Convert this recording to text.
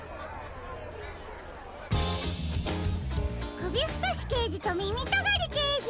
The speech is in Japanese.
くびふとしけいじとみみとがりけいじ！